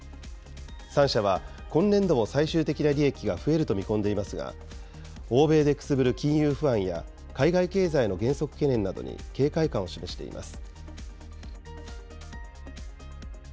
３社は今年度も最終的な利益が増えると見込んでいますが、欧米でくすぶる金融不安や、海外経済の減速懸念などに警戒感を示しています。